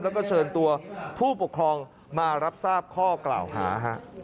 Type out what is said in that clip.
แล้วก็เชิญตัวผู้ปกครองมารับทราบข้อกล่าวหา